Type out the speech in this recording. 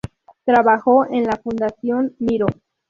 Trabajó en la Fundación Miró.